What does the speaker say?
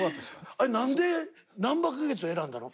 あれ何でなんば花月を選んだの？